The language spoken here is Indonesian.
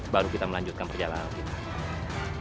baru kita melanjutkan perjalanan